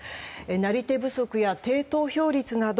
なり手不足や低投票率など